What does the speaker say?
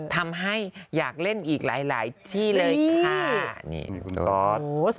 ทำให้อยากเล่นอีกหลายที่เลยค่ะ